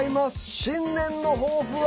新年の抱負は。